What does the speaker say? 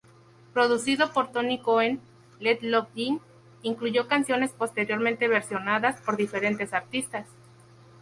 Producido por Tony Cohen, "Let Love In" incluyó canciones posteriormente versionadas por diferentes artistas.